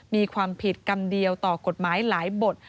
มีความผิดกรรมเดียวต่อกฎหมายหลายบท